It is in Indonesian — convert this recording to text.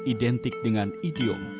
identik dengan idiom